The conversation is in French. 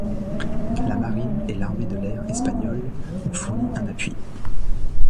La marine et l'armée de l'air espagnole ont fourni un appui.